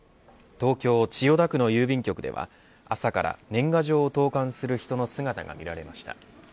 東京、千代田区の郵便局では朝から、年賀状を投函する人の姿が見られました。